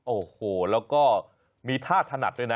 โอ้โหแล้วก็มีท่าถนัดด้วยนะ